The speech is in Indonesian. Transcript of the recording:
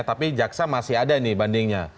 tapi jaksa masih ada nih bandingnya